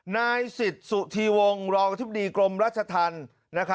นายสิทธิ์สุธีวงศ์รองอธิบดีกรมราชธรรม